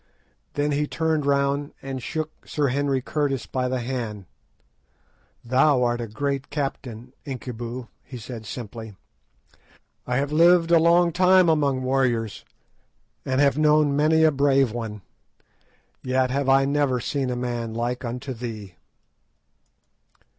Then he turned round and shook Sir Henry Curtis by the hand. "Thou art a great captain, Incubu," he said simply; "I have lived a long life among warriors, and have known many a brave one, yet have I never seen a man like unto thee."